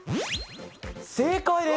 正解です。